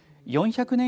４００年